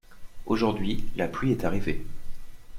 Aujourd’hui, la pluie est arrivée.